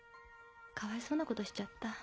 かわいそうなことしちゃった。